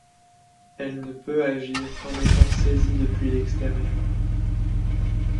Elle ne peut agir qu'en étant saisie depuis l'extérieur.